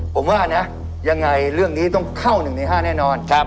ผมว่านะยังไงเรื่องนี้ต้องเข้า๑ใน๕แน่นอน